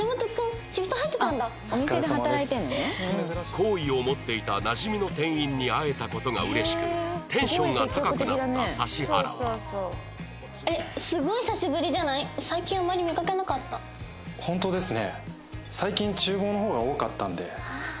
好意を持っていたなじみの店員に会えた事が嬉しくテンションが高くなった指原はっていう話をしてたんですよ。